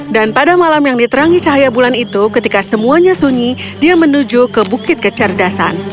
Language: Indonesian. dan pada malam yang diterangi cahaya bulan itu ketika semuanya sunyi dia menuju ke bukit kecerdasan